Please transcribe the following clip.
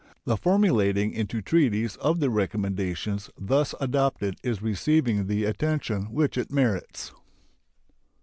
The formulating into treaties of the recommendations thus adopted is receiving the attention which it merits.